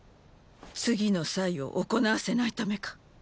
次の“祭”を行わせないためか。